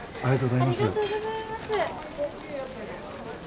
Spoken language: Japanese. ありがとうございます。